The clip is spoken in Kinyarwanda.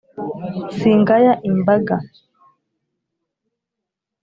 singaya imbaga